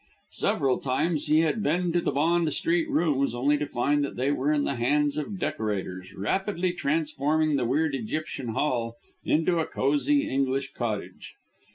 Several times he had been to the Bond Street rooms, only to find that they were in the hands of decorators, rapidly transforming the weird Egyptian hall into a cosy English cottage.